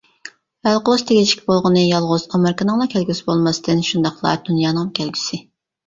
ھەل قىلىشقا تېگىشلىك بولغىنى يالغۇز ئامېرىكىنىڭلا كەلگۈسى بولماستىن ، شۇنداقلا دۇنيانىڭمۇ كەلگۈسى .